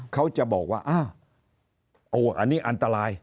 เขาจะบอกว่าอ้าวโอ้อันนี้อันตราย